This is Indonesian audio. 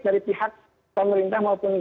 dari pihak pemerintah maupun